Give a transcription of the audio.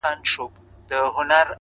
چي هغه ستا سيورى له مځكي ورك سو،